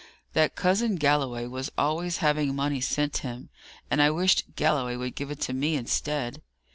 That cousin Galloway was always having money sent him, and I wished Galloway would give it me instead.